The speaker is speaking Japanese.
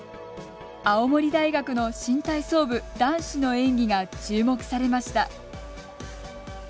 青森大学の新体操部男子の演技が注目されました。